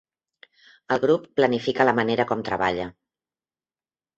El grup planifica la manera com treballa.